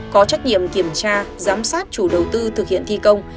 có trách nhiệm kiểm tra giám sát chủ đầu tư thực hiện thi công